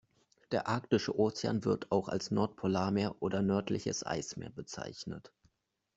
Der Arktische Ozean, wird auch als Nordpolarmeer oder nördliches Eismeer bezeichnet.